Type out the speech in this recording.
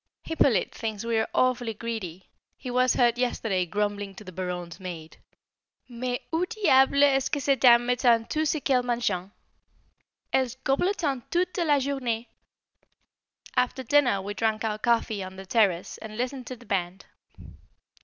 Hippolyte thinks we are awfully greedy; he was heard yesterday grumbling to the Baronne's maid, "Mais où diable est ce que ces dames mettent tout ce qu'elles mangent? Elles goblottent toute la journée!" After dinner we drank our coffee on the terrace and listened to the band.